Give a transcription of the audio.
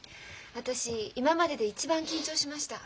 私今までで一番緊張しました。